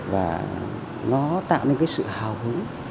và nó tạo nên sự hào hứng